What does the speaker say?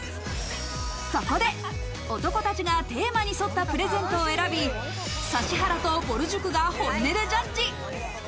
そこで、男たちがテーマに沿ったプレゼントを選び、指原とぼる塾が本音でジャッジ。